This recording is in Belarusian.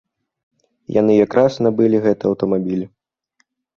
Яны якраз набылі гэты аўтамабіль.